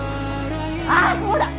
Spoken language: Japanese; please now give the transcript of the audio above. あっそうだ！